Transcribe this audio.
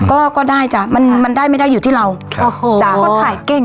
ก็ก็ได้จ้ะมันมันได้ไม่ได้อยู่ที่เราโอ้โหจ้ะคนถ่ายเก่ง